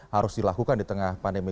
harus dilakukan di tengah pandemi